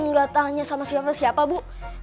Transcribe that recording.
gak tanya sama siapa siapa bu